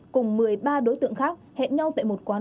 cùng một mươi ba đối tượng khác hẹn nhau tại một quán